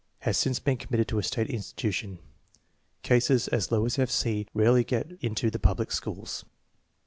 Has since been committed to a slate insti tution. Cases as low as F. C. very rarely get into the public schools.